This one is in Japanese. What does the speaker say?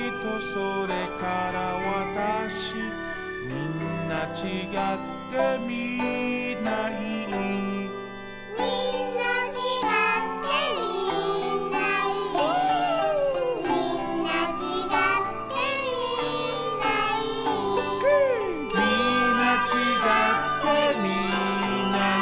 「みんなちがってみんないい」